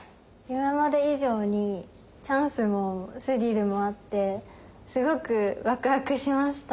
今まで以上にチャンスもスリルもあってすごくワクワクしました。